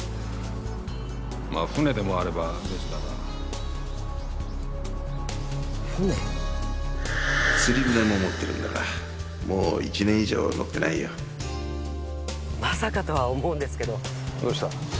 まぁ船でもあれば別だが船釣り船も持ってるんだがもう１年以上まさかとは思うんですけどどうした？